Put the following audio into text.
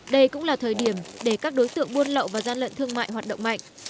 đây cũng là thời điểm để các đối tượng buôn lậu và gian lận thương mại hoạt động mạnh